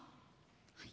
はい。